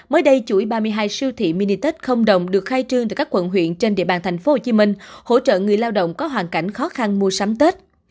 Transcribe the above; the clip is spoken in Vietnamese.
mới đây chuỗi ba mươi hai siêu thị mini tết không động được khai trương từ các quận huyện trên địa bàn thành phố hồ chí minh hỗ trợ người lao động có hoàn cảnh khó khăn mua sắm tết